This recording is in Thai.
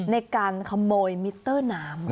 ในการขโมยมิเตอร์น้ำ